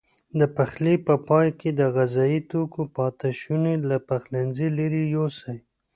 د پخلي په پای کې د غذايي توکو پاتې شونې له پخلنځي لیرې یوسئ.